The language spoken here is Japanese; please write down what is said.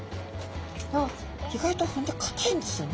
意外と骨かたいんですよね